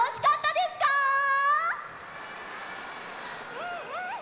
うんうん！